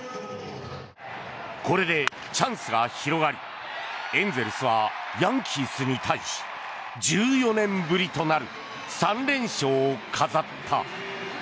これでチャンスが広がりエンゼルスはヤンキースに対し１４年ぶりとなる３連勝を飾った。